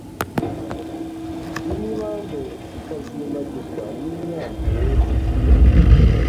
n’imibande ikazimagizwa n’imyaka yeze